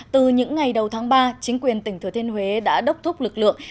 từ những ngày đầu tháng ba chính quyền tỉnh thừa thiên huế đã đốc thúc lực lượng